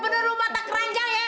bener bener mata keranjang ya